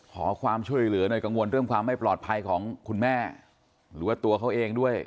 ขอความช่วยเหลือหน่อยกังวลเรื่องความไม่ปลอดภัยของคุณแม่หรือว่าตัวเขาเองด้วย